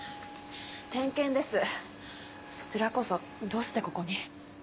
点検ですそちらこそどうしてここに？